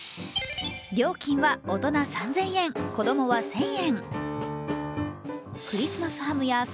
料金は大人３０００円、子供は１０００円。